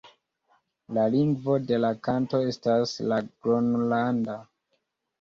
La lingvo de la kanto estas la gronlanda.